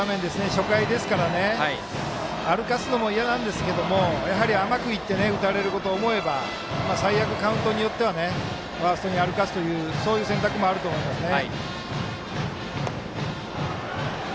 初回ですから歩かせるのも嫌なんですけど甘くいって打たれることを思えば最悪、カウントによってはファーストに歩かすというそういう選択もあると思いますね。